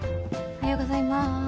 おはようございます。